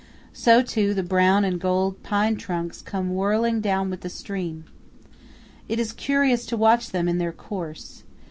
So, too, the brown and golden pine trunks come whirling down with the stream. It is curious to watch them in their course.